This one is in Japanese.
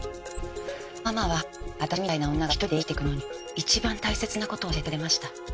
ママは私みたいな女が一人で生きていくのに一番大切な事を教えてくれました。